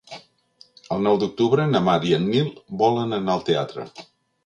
El nou d'octubre na Mar i en Nil volen anar al teatre.